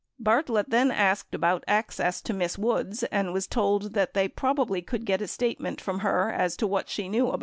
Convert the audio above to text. Bartlett then asked about access to Miss Woods and was told that they probably could get a statement from her as to what she knew about it.